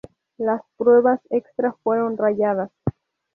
Las pruebas extra fueron rayadas.